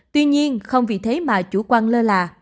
tuy nhiên không vì thế mà chủ quan lơ là